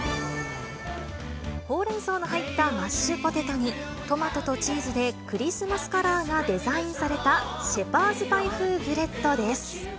ほうれんそうの入ったマッシュポテトに、トマトとチーズでクリスマスカラーがデザインされたシェパーズパイ風ブレッドです。